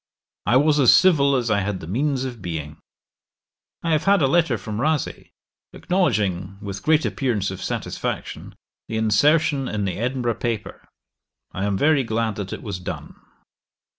I was as civil as I had the means of being. 'I have had a letter from Rasay, acknowledging, with great appearance of satisfaction, the insertion in the Edinburgh paper. I am very glad that it was done.